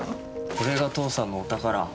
これが父さんのお宝。